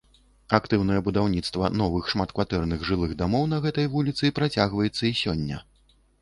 Актыўнае будаўніцтва новых шматкватэрных жылых дамоў на гэтай вуліцы працягваецца і сёння.